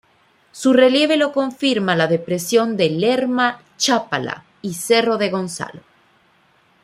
Su relieve lo conforma la depresión de Lerma-Chápala y cerro de Gonzalo.